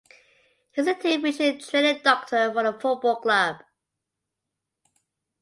He is the Team Vision Training Doctor for the football club.